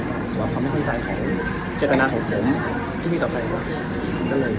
หรือว่าความสนใจของเจตนาของผมที่มีต่อไปหรือเปล่า